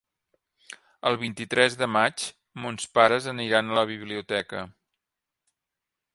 El vint-i-tres de maig mons pares aniran a la biblioteca.